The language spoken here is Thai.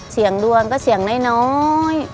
เสียงดวงก็เสี่ยงน้อย